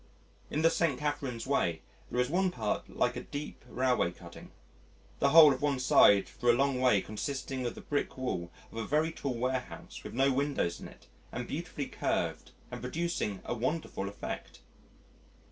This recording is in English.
In the St. Catherine's Way there is one part like a deep railway cutting, the whole of one side for a long way, consisting of the brickwall of a very tall warehouse with no windows in it and beautifully curved and producing a wonderful effect.